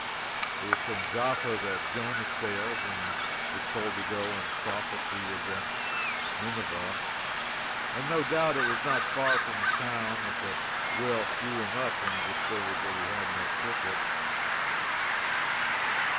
It was from Jaffa that Jonah sailed when he was told to go and prophesy against Nineveh, and no doubt it was not far from the town that the whale threw him up when he discovered that he had no ticket.